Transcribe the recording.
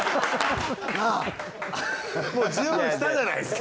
もう十分したじゃないですか。